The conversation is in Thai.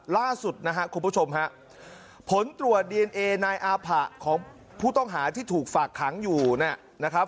ล่าสุดนะฮะคุณผู้ชมฮะผลตรวจดีเอนเอนายอาผะของผู้ต้องหาที่ถูกฝากขังอยู่นะครับ